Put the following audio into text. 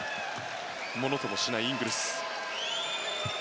ものともしないイングルス。